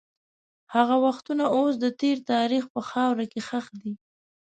هغه وختونه اوس د تېر تاریخ په خاوره کې ښخ دي.